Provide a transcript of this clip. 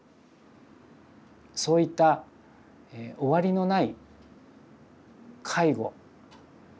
そういった終わりのない介護